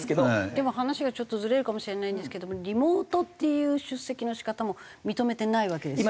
でも話がちょっとずれるかもしれないんですけどもリモートっていう出席の仕方も認めてないわけですよね？